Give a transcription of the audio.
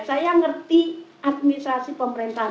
saya ngerti administrasi pemerintah